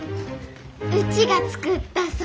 うちが作ったそば。